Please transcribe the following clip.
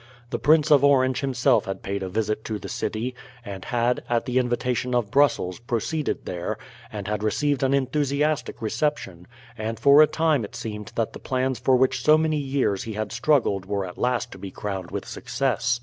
The Prince of Orange himself had paid a visit to the city, and had, at the invitation of Brussels, proceeded there, and had received an enthusiastic reception, and for a time it seemed that the plans for which so many years he had struggled were at last to be crowned with success.